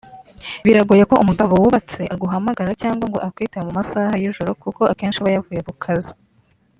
Biragoye ko umugabo wubatse aguhamagara cyangwa ngo akwitabe mu masaha y’ijoro kuko akenshi aba yavuye ku kazi